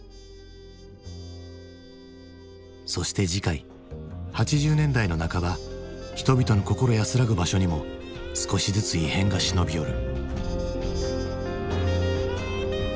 そして次回８０年代の半ば人々の心安らぐ場所にも少しずつ異変が忍び寄る。